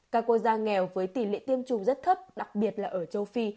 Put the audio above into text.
các quốc gia nghèo với tỷ lệ tiêm chủng rất thấp đặc biệt là ở châu phi